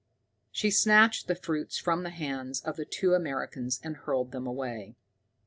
She snatched the fruits from the hands of the two Americans and hurled them away.